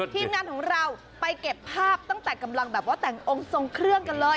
ทีมงานของเราไปเก็บภาพตั้งแต่กำลังแบบว่าแต่งองค์ทรงเครื่องกันเลย